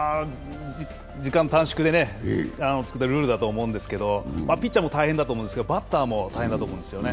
時間短縮で作ったルールだと思うんですけど、ピッチャーも大変だと思うんですけど、バッターも大変だと思うんですよね。